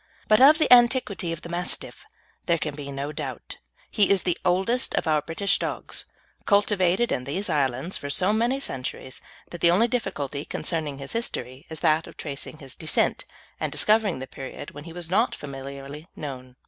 But of the antiquity of the Mastiff there can be no doubt. He is the oldest of our British dogs, cultivated in these islands for so many centuries that the only difficulty concerning his history is that of tracing his descent, and discovering the period when he was not familiarly known.